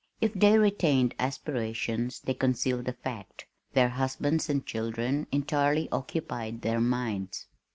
If they retained aspirations they concealed the fact. Their husbands and children entirely occupied their minds.